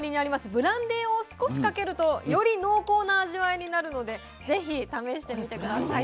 ブランデーを少しかけるとより濃厚な味わいになるので是非試してみて下さいということで。